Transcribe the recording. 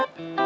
aduh aku bisa